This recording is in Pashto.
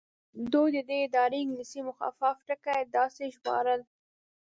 دوی د دې ادارې انګلیسي مخفف ټکي داسې ژباړل.